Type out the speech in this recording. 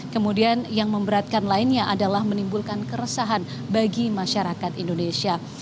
kemudian yang memberatkan lainnya adalah menimbulkan keresahan bagi masyarakat indonesia